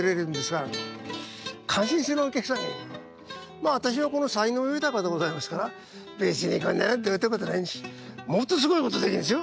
まあ私この才能豊かでございますから別にこんなのどうってことないしもっとすごいことできるんですよ。